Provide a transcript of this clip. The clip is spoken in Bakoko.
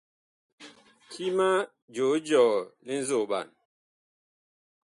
Ti ma joo jɔɔ li nzoɓan.